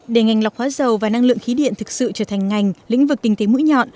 để ngành lọc hóa dầu và năng lượng khí điện thực sự trở thành ngành lĩnh vực kinh tế mũi nhọn